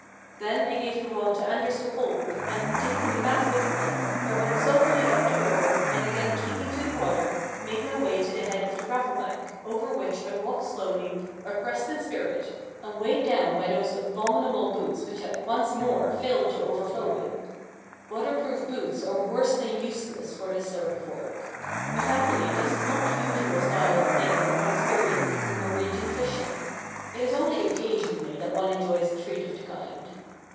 Then I gave the rod to Anders to hold, and, taking the gaff with me, I went sulkily up the river, and again taking to the water, made my way to the head of the gravel bank, over which I walked slowly, oppressed in spirit, and weighed down by those abominable boots which had once more filled to overflowing! Water proof boots are worse than useless for this sort of work. But happily this is not the usual style of thing that one experiences in Norwegian fishing. It is only occasionally that one enjoys a treat of the kind.